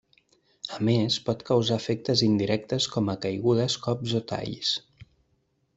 A més pot causar efectes indirectes com a caigudes, cops o talls.